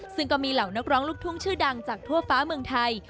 ซึ่งก็มีเหล่านักร้องลูกทุ่งชื่อดังจากทั่วฟ้าเมืองไทย